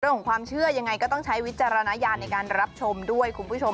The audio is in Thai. เรื่องของความเชื่อยังไงก็ต้องใช้วิจารณญาณในการรับชมด้วยคุณผู้ชม